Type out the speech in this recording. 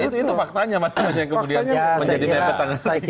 itu faktanya maksudnya kemudian menjadi nepet tangan setinggi